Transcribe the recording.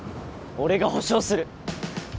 俺が保証する